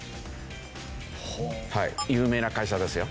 はい有名な会社ですよ。